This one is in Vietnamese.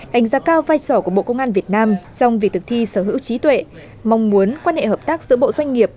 đánh giá cao vai trò của bộ công an việt nam trong việc thực thi sở hữu trí tuệ mong muốn quan hệ hợp tác giữa bộ doanh nghiệp